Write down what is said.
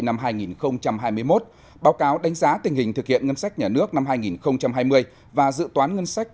năm hai nghìn hai mươi một báo cáo đánh giá tình hình thực hiện ngân sách nhà nước năm hai nghìn hai mươi và dự toán ngân sách